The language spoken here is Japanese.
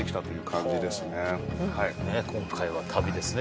今回は旅ですね